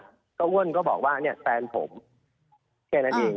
อ้วนแรกก็บอกว่าไอนี่แฟนผมแค่นั้นเอง